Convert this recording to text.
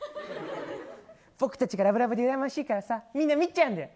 僕たちがラブラブでうらやましいしからさみんな、見ちゃんうんだよ。